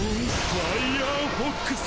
ファイアーフォックス！